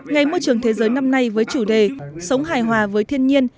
ngày môi trường thế giới năm nay với chủ đề sống hài hòa với thiên nhiên